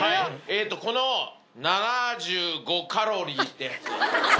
この７５カロリーってやつ。